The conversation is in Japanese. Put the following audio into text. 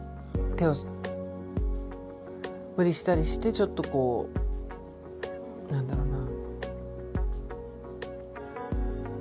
無理したりしてちょっとこう何だろうな。